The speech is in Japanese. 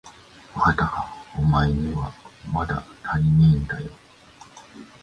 わかったか、おまえにはまだたりねえだよ。